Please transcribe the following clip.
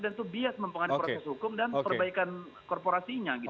dan itu bias mempengaruhi proses hukum dan perbaikan korporasinya gitu